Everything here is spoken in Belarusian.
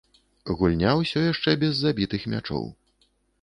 Гульня ўсё яшчэ без забітых мячоў.